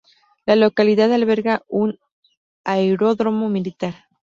La localidad alberga un aeródromo militar.